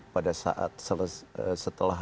pada saat setelah